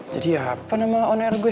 jadi apa nama on air gue